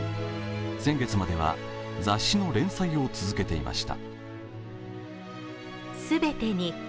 先月までは雑誌の連載を続けていました。